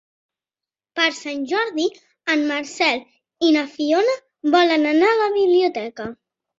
Per Sant Jordi en Marcel i na Fiona volen anar a la biblioteca.